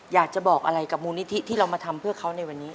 อยากจะบอกอะไรกับมูลนิธิที่เรามาทำเพื่อเขาในวันนี้